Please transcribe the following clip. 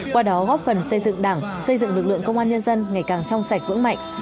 qua đó góp phần xây dựng đảng xây dựng lực lượng công an nhân dân ngày càng trong sạch vững mạnh